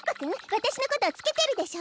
わたしのことをつけてるでしょ！